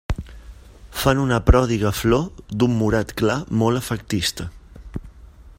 Fan una pròdiga flor d'un morat clar molt efectista.